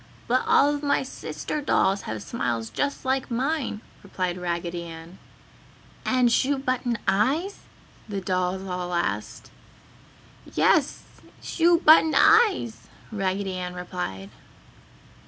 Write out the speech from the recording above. "But all of my sister dolls have smiles just like mine!" replied Raggedy Ann. "And shoe button eyes?" the dolls all asked. "Yes, shoe button eyes!" Raggedy Ann replied.